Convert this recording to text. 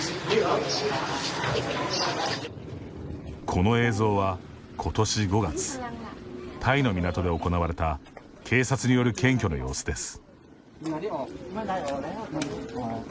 この映像は、ことし５月タイの港で行われた警察による検挙の様子です。